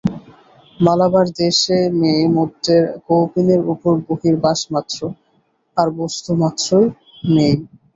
মালাবার দেশে মেয়ে-মদ্দের কৌপীনের উপর বহির্বাসমাত্র, আর বস্ত্রমাত্রই নেই।